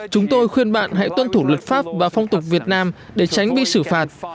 chúng tôi khuyên bạn hãy tuân thủ luật pháp và phong tục việt nam để tránh bị xử phạt